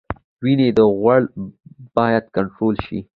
وینې غوړ باید کنټرول شي